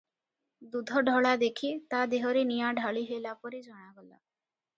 ଦୁଧ ଢଳା ଦେଖି ତା ଦେହରେ ନିଆଁ ଢାଳି ହେଲାପରି ଜଣାଗଲା ।